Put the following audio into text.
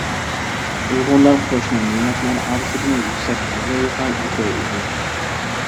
ئۇيغۇرلار قوشنا مىللەتلەر ئارىسىدىمۇ يۈكسەك ئابرۇيغا ئىگە ئىدى.